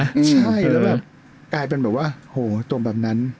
ใช่แล้วแบบกลายเป็นแบบว่าโหตรงแบบนั้น